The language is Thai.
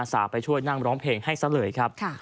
อัศพจุ้ยนั่งมาร้องเพลงให้ซะเลยครับ